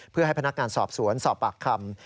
เพื่อให้พนักงานสอบสวนสอบปากคำ